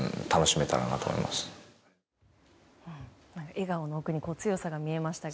笑顔の奥に強さが見えましたが。